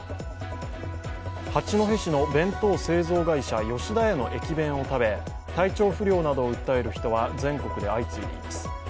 八戸市の弁当製造会社、吉田屋の駅弁を食べ体調不良などを訴える人が全国で相次いでいます。